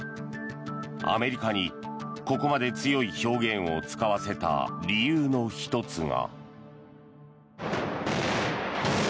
アメリカにここまで強い表現を使わせた理由の１つが。